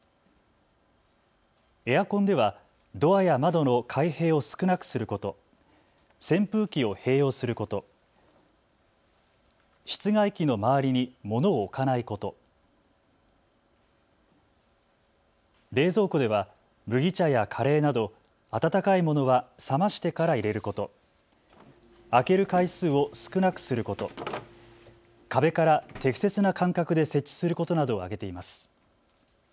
エアコンではドアや窓の開閉を少なくすること、扇風機を併用すること、室外機の周りに物を置かないこと、冷蔵庫では麦茶やカレーなど温かいものは冷ましてから入れること、開ける回数を少なくすること、壁から適切な間隔で設置することなどを挙げています。